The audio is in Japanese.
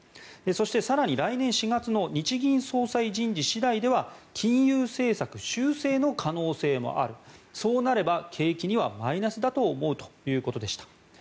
そして、更に来年４月の日銀総裁人事次第では金融政策修正の可能性もあるそうなれば景気にはマイナスだと思うということでした。